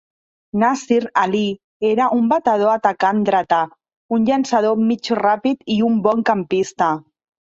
Nazir Ali era un batedor atacant dretà, un llançador mig ràpid i un bon campista.